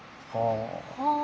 はあ。